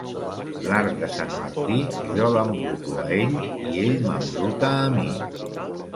L'arc de Sant Martí, jo l'embruto a ell i ell m'embruta a mi.